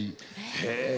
へえ！